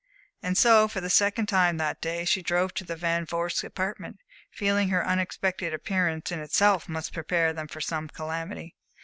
And so, for the second time that day, she drove to the Van Vorsts' apartment, feeling that her unexpected appearance in itself must prepare them for some calamity.